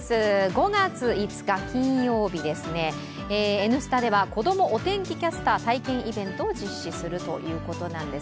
５月５日金曜日、「Ｎスタ」では子供お天気キャスター体験イベントを実施するということなんです